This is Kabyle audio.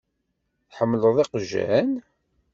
Tḥemmleḍ iqjan?